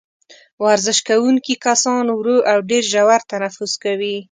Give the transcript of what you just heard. ورزش کوونکي کسان ورو او ډېر ژور تنفس کوي.